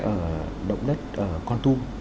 ở động đất con tung